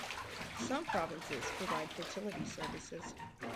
Some provinces provide fertility services.